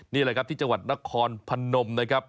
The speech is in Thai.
นี่แหละครับที่จังหวัดนครพนมนะครับ